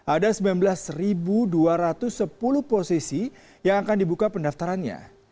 ada sembilan belas dua ratus sepuluh posisi yang akan dibuka pendaftarannya